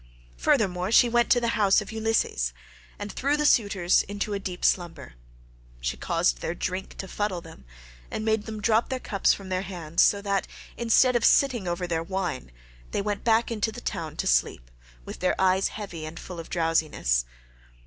Furthermore she went to the house of Ulysses, and threw the suitors into a deep slumber. She caused their drink to fuddle them, and made them drop their cups from their hands, so that instead of sitting over their wine, they went back into the town to sleep, with their eyes heavy and full of drowsiness.